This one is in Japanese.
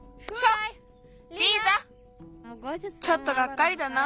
ちょっとがっかりだな。